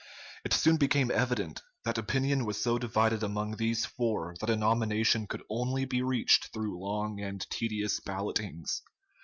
It soon became evident that opinion was so divided among these four that a nomination could only be reached through long and tedious ballotings.